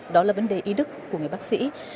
đó là vấn đề ý đức của người bác sĩ